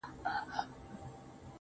آهونه چي د مړه زړه له پرهاره راوتلي